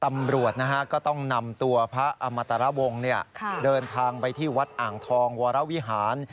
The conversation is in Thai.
ตำรวจก็ต้องนำตัวพระอมตรวงศ์เดินทางไปที่วัดอ่างทองวรวิหาร